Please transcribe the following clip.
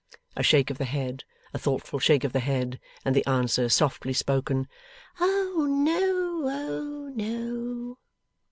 A shake of the head, a thoughtful shake of the head, and the answer, softly spoken, 'Oh no, oh no!